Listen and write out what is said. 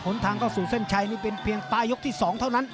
นทางเข้าสู่เส้นชัยนี่เป็นเพียงปลายกที่๒เท่านั้น